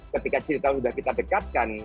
ketika cerita sudah kita dekatkan